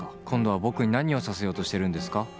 今度は僕に何をさせようとしているんですか？